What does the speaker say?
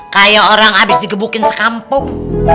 kayak orang habis digebukin sekampung